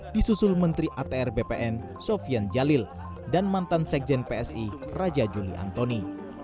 disusul menteri atr bpn sofian jalil dan mantan sekjen psi raja juli antoni